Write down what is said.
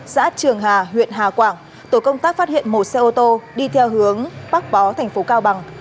xã trường hà huyện hà quảng tổ công tác phát hiện một xe ô tô đi theo hướng bắc bó thành phố cao bằng